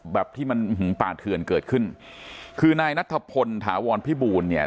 แบบที่มันหือป่าเถื่อนเกิดขึ้นคือนายนัทพลถาวรพิบูลเนี่ย